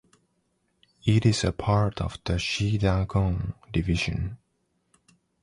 It is a part of the Chittagong Division.